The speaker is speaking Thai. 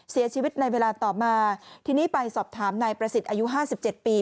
เสียชีวิตในเวลาต่อมาทีนี้ไปสอบถามนายประสิทธิ์อายุห้าสิบเจ็ดปี